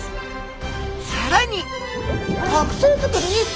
さらに！